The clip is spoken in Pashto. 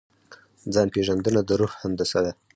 ځان پېژندنه د روح هندسه ده.